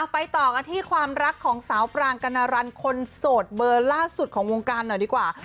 ไปต่อกันที่ความรักของสาวปรางกัณรันคนโสดเบอร์ล่าสุดของวงการหน่อยดีกว่า